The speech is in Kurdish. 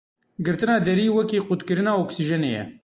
Girtina derî wekî qutkirina oksîjenê ye.